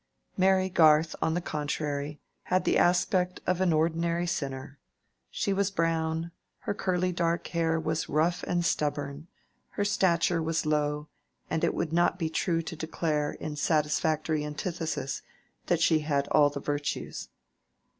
Mary Garth, on the contrary, had the aspect of an ordinary sinner: she was brown; her curly dark hair was rough and stubborn; her stature was low; and it would not be true to declare, in satisfactory antithesis, that she had all the virtues.